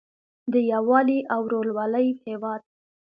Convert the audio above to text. د یووالي او ورورولۍ هیواد.